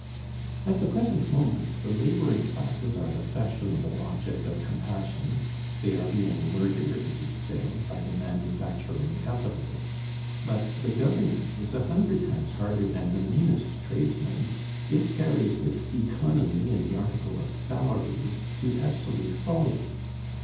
At the present moment the laboring classes are the fashionable object of compassion; they are being murdered it is said by the manufacturing capitalist; but the Government is a hundred times harder than the meanest tradesman, it carries its economy in the article of salaries to absolute folly.